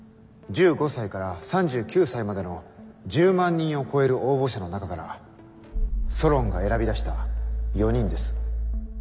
１５才から３９才までの１０万人を超える応募者の中からソロンが選び出した４人です。